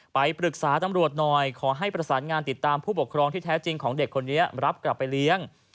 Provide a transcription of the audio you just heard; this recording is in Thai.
ไปปรึกษาตำรวจหน่อยขอให้ประสานงานติดตามผู้ปกครองที่แท้จริงของเด็กคนนี้รับกลับไปเลี้ยง